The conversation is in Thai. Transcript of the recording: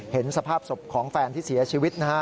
เห็นสภาพศพของแฟนที่เสียชีวิตนะฮะ